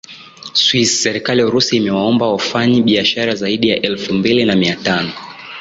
swisse serikali ya urusi imewaomba wafanyi biashara zaidi ya elfu mbili na mia tano